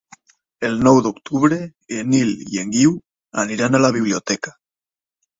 El nou d'octubre en Nil i en Guiu aniran a la biblioteca.